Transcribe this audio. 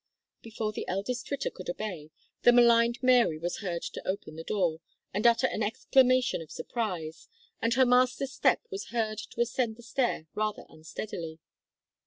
Before the eldest Twitter could obey, the maligned Mary was heard to open the door and utter an exclamation of surprise, and her master's step was heard to ascend the stair rather unsteadily.